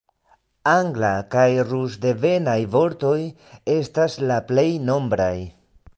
Angla- kaj rus-devenaj vortoj estas la plej nombraj.